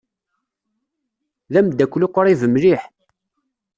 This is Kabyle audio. D ameddakel uqrib mliḥ.